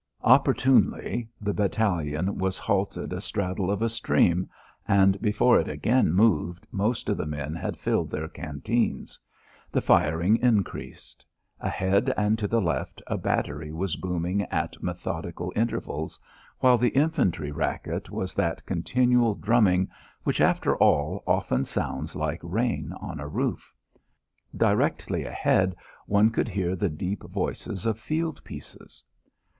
Opportunely, the battalion was halted a straddle of a stream, and before it again moved, most of the men had filled their canteens. The firing increased. Ahead and to the left a battery was booming at methodical intervals, while the infantry racket was that continual drumming which, after all, often sounds like rain on a roof. Directly ahead one could hear the deep voices of field pieces.